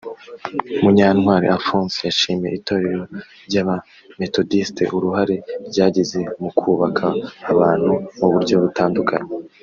Munyantwari Alphonse yashimiye itorero ry’Abametodisite uruhare ryagize mu kubaka abantu mu buryo butandukanye